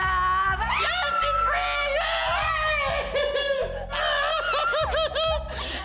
ya si prih